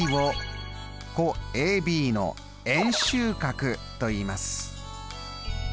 ＡＰＢを弧ＡＢの円周角といいます。